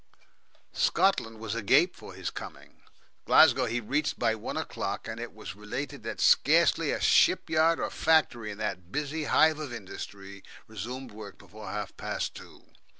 Scotland was agape for his coming. Glasgow he reached by one o'clock, and it is related that scarcely a ship yard or factory in that busy hive of industry resumed work before half past two.